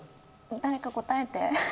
誰か答えて。